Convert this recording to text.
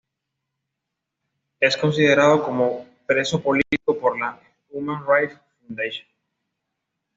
Es considerado como preso político por la Human Rights Foundation.